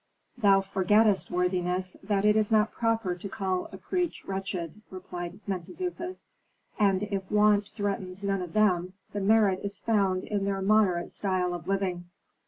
"Thou forgettest, worthiness, that it is not proper to call a priest wretched," replied Mentezufis. "And if want threatens none of them, the merit is found in their moderate style of living."